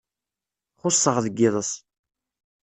Xuṣṣeɣ deg yiḍes.